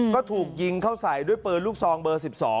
ก็ถูกยิงเข้าใส่ด้วยปืนลูกซองเบอร์๑๒